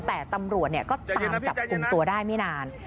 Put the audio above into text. แต่ตำรวจก็ตามจับกลุ่มตัวได้ไม่นาน